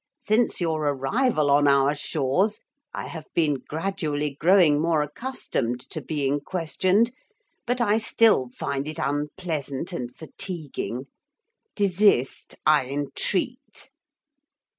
Since your arrival on our shores I have been gradually growing more accustomed to being questioned, but I still find it unpleasant and fatiguing. Desist, I entreat.'